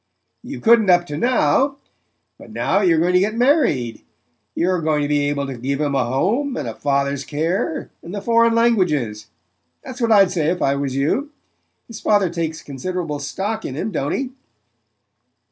"You couldn't, up to now; but now you're going to get married. You're going to be able to give him a home and a father's care and the foreign languages. That's what I'd say if I was you...His father takes considerable stock in him, don't he?"